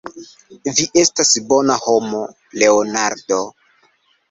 Vi estas bona homo, Leonardo.